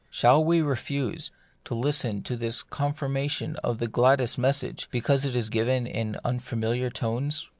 shall we refuse to listen to this confirmation of the gladdest message, because it is given in unfamiliar tones